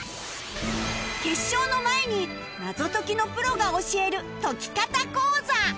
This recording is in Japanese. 決勝の前に謎解きのプロが教える解き方講座